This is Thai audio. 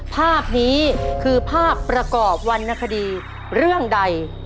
ภาพนี้คือภาพประกอบวรรณคดีเรื่องใด